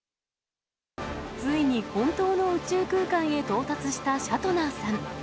ついに本当の宇宙空間へ到達したシャトナーさん。